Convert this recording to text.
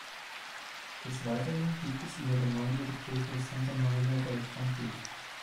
Des Weiteren gibt es in der Gemeinde die Kirche "Santa Maria dei Campi".